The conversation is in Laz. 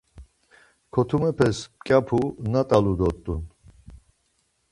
Kotumepes mǩyapu nat̆alu dort̆un.